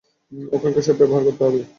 ওখানকার সব ব্যবহার করতে পারবে।